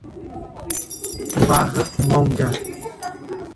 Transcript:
Barra Longa